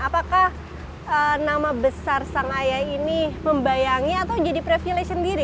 apakah nama besar sang ayah ini membayangi atau jadi privilege sendiri